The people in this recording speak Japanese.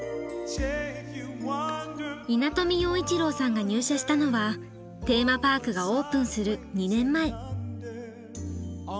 稲富洋一郎さんが入社したのはテーマパークがオープンする２年前。